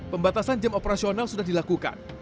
pembatasan jam operasional sudah dilakukan